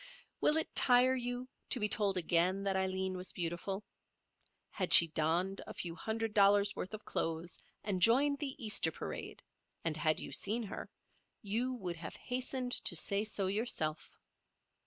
Will it tire you to be told again that Aileen was beautiful? Had she donned a few hundred dollars' worth of clothes and joined the Easter parade, and had you seen her, you would have hastened to say so yourself.